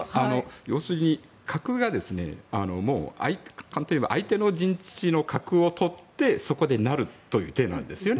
要するに角がもう相手の陣地の角を取ってそこで成るという手なんですね。